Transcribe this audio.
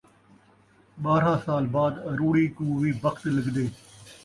ٻارہاں سالاں بعد اروڑی کوں وی بخت لڳدے